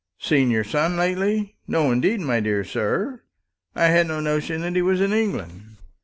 "Seen your son lately? No; indeed, my dear sir, I had no notion that he was in England."